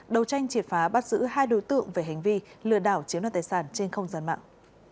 đầu tranh triệt phá bắt giữ hai đối tượng về hành vi lừa đảo chiếm đoạt tài sản trên không gian mạng